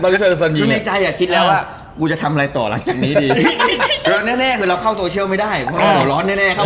มันแปลว่าใครเขาคิดแล้ว